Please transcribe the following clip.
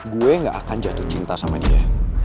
gue gak akan jatuh cinta sama dia